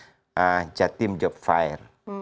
provinsi jawa timur punya program jatim job fire